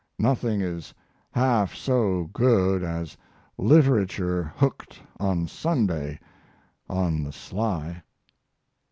Nothing is half so good as literature hooked on Sunday, on the sly.